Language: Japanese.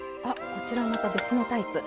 こちらはまた別のタイプ。